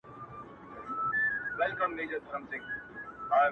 نړيږي جوړ يې کړئ دېوال په اسويلو نه سي،